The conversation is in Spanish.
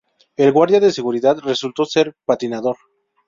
El guardia de seguridad resultó ser un patinador.